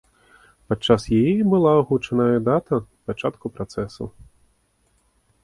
Падчас яе і была агучаная дата пачатку працэсу.